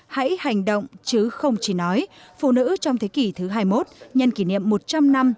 hãy hành động chứ không chỉ nói phụ nữ trong thế kỷ thứ hai mươi một nhân kỷ niệm một trăm linh năm